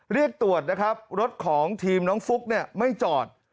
เรียกตรวจนะครับรถของทีมน้องฟุ๊กเนี่ยไม่จอด